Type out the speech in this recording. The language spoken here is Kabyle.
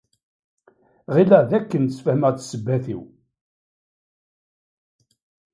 Ɣileɣ dakken sfehmeɣ-d ssebbat-iw.